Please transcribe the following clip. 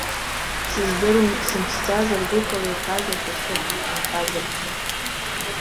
Сыздыруам, сымԥсӡазар гәык ала иҳәазар ҳәа сыҟоуп, имҳәазаргьы.